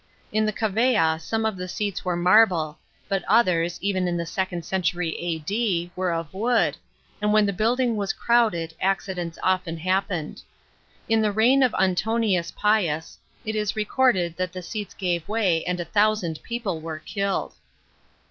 In the cavea, some ol the seats were marble, but others, even in the second century A D., were of wood, and when the building was crowded accidents olten happened. In the reign of Antoninus Pius, it is recorded that the seats gave way and a thousand people were killed.